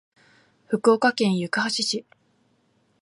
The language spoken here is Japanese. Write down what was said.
福岡県行橋市